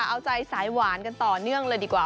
เอาใจสายหวานกันต่อเนื่องเลยดีกว่า